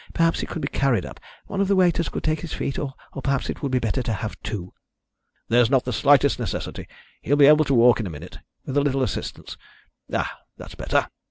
Perhaps he could be carried up. One of the waiters could take his feet, or perhaps it would be better to have two." "There's not the slightest necessity. He'll be able to walk in a minute with a little assistance. Ah, that's better!"